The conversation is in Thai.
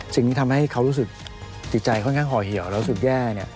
สิ่งที่ทำให้เขารู้สึกจิตใจค่อนข้างห่อเหี่ยวแล้วสุดแย่